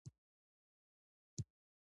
د نړیوال خطر احساس محتاط پاتې شو،